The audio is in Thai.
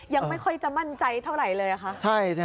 ยังไม่ค่อยจะมั่นใจเท่าไหร่เลยค่ะ